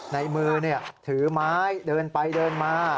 ในมือถือไม้เดินไปเดินมา